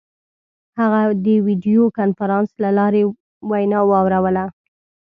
هغه د ویډیو کنفرانس له لارې وینا واوروله.